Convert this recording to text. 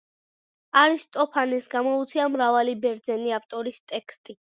არისტოფანეს გამოუცია მრავალი ბერძენი ავტორის ტექსტი.